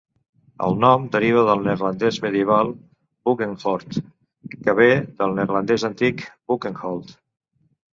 El nom deriva del neerlandès medieval "bucghenhout", que ve del neerlandès antic "bukenholt".